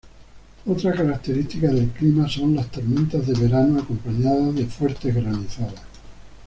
Otra característica del clima son las tormentas de verano acompañadas de fuertes granizadas.